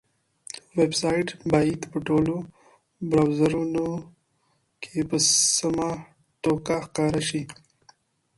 ویب سایټ باید په ټولو براوزرونو کې په سمه توګه ښکاره شي.